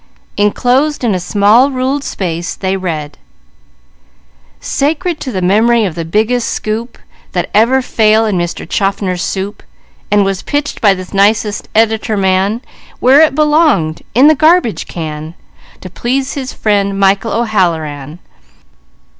Enclosed in a small ruled space they read: _Sacred to the memory of the biggest scoop, That ever fell in Mister Chaffner's soup, And was pitched by this nicest editor man, Where it belonged, in the garbage can, To please his friend, Michael O'Halloran.